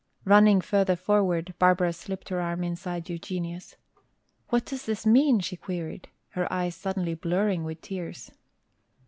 Running further forward, Barbara slipped her arm inside Eugenia's. "What does this mean?" she queried, her eyes suddenly blurring with tears.